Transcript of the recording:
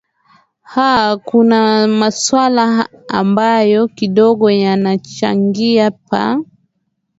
aa kuna maswala ambayo kidogo yanachangia pa